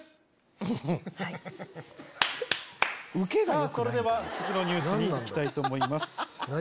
さぁそれでは次のニュースに行きたいと思います。